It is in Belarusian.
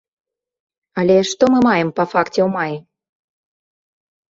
Але што мы маем па факце ў маі?